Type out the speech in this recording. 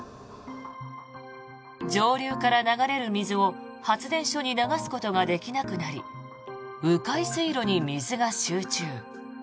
上流から流れる水を発電所に流すことができなくなり迂回水路に水が集中。